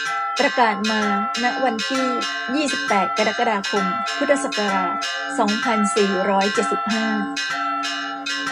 ประกาศมาณวันที่ ยี่สิบแปด กรกฎาคม พุทธศักราช สองพันสี่ร้อยเจ็ดสิบห้า